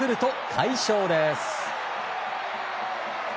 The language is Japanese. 快勝です。